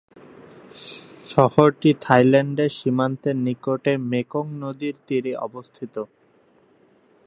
শহরটি থাইল্যান্ড সীমান্তের নিকটে মেকং নদীর তীরে অবস্থিত।